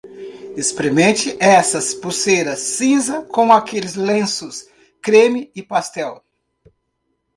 Experimente essas pulseiras cinza com aqueles lenços creme e pastel.